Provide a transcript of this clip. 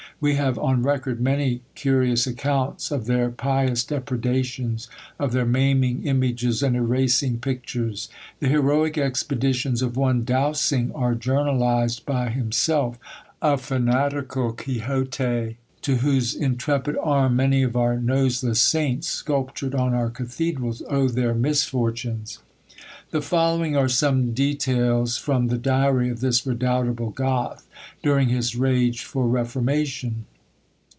We have on record many curious accounts of their pious depredations, of their maiming images and erasing pictures. The heroic expeditions of one Dowsing are journalised by himself: a fanatical Quixote, to whose intrepid arm many of our noseless saints, sculptured on our Cathedrals, owe their misfortunes. The following are some details from the diary of this redoubtable Goth, during his rage for reformation.